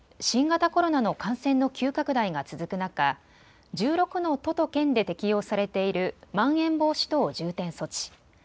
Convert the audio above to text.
新型コロナの感染の急拡大が続く中、１６の都と県で適用されているまん延防止等重点措置。